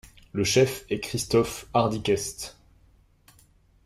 Le chef est Christophe Hardiquest.